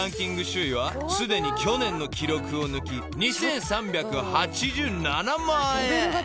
首位はすでに去年の記録を抜き２，３８７万円］